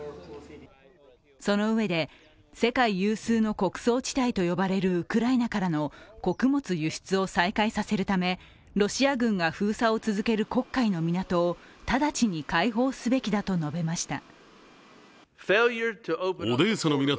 そのうえで、世界有数の穀倉地帯と呼ばれるウクライナからの穀物輸出を再開させるためロシア軍が封鎖を続ける黒海の港を直ちに解放すべきだと述べました。